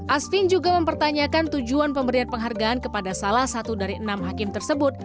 asvin juga mempertanyakan tujuan pemberian penghargaan kepada salah satu dari enam hakim tersebut